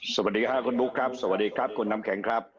สวัสดีค่ะคุณบุ๊คครับสวัสดีครับคุณน้ำแข็งครับ